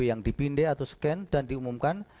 yang dibindai atau scan dan diumumkan